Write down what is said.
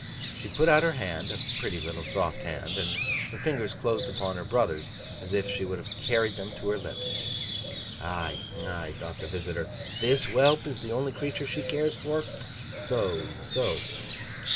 She put out her hand—a pretty little soft hand; and her fingers closed upon her brother's, as if she would have carried them to her lips. 'Ay, ay?' thought the visitor. 'This whelp is the only creature she cares for. So, so!